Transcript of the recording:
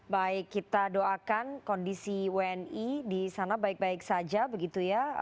baik kita doakan kondisi wni di sana baik baik saja begitu ya